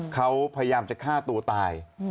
เขาพยายามจะฆ่าตัวตาย